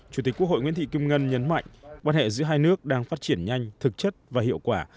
chủ tịch quốc hội nguyễn thị kim ngân nhấn mạnh quan hệ giữa hai nước đang phát triển nhanh thực chất và hiệu quả